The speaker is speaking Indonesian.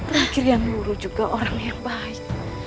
rakyat yang luruh juga orang yang baik